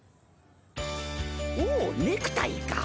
おおネクタイか。